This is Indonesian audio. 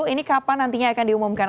ini kapan nantinya akan diumumkan